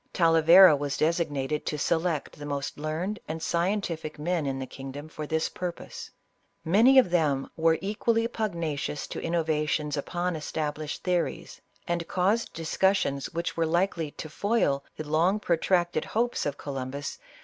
Talavera was designated to select the most learned and scientific men in the kingdom, for this purpose ; many of them were equally pugnacious to innovations upon estab lished theories, and caused discussions which were likely to foil the long protracted hopes of Columbus, ISABELLA OF CASTILE.